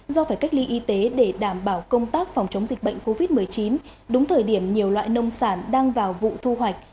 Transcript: do phải cách ly y tế để đảm bảo công tác phòng chống dịch bệnh covid một mươi chín đúng thời điểm nhiều loại nông sản đang vào vụ thu hoạch